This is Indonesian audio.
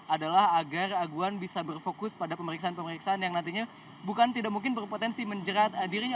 adalah agar aguan bisa berfokus pada pemeriksaan pemeriksaan yang nantinya bukan tidak mungkin berpotensi menjerat dirinya